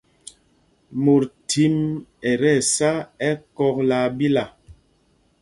Mot thím ɛ tí ɛsá ɛkɔ̂k laa ɓila.